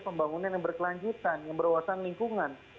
pembangunan yang berkelanjutan yang berwawasan lingkungan